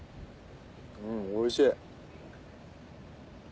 うんおいしい。